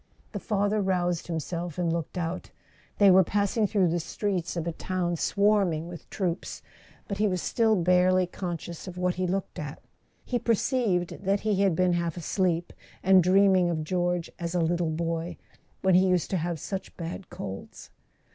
The father roused himself and looked out. They [ 273 ] A SON AT THE FRONT were passing through the streets of a town swarming with troops—but he was still barely conscious of what he looked at. He perceived that he had been half asleep, and dreaming of George as a little boy, when he used to have such bad colds.